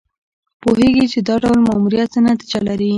پوهېږي چې دا ډول ماموریت څه نتیجه لري.